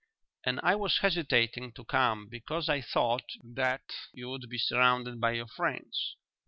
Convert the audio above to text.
"And I was hesitating to come because I thought that you would be surrounded by your friends."